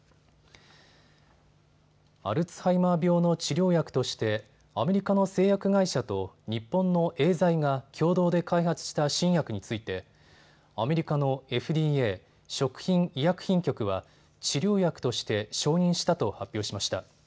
アルツハイマー病の治療薬としてアメリカの製薬会社と日本のエーザイが共同で開発した新薬についてアメリカのＦＤＡ・食品医薬品局は治療薬として承認したと発表しました。